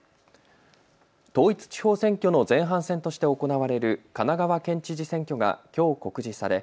統一地方選挙の前半戦として行われる神奈川県知事選挙がきょう告示され